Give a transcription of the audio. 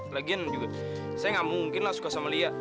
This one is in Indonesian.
lagian juga saya nggak mungkin lah suka sama lia